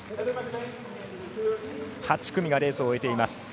８組がレースを終えています。